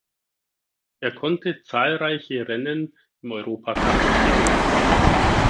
Er konnte zahlreiche Rennen im Europacup gewinnen.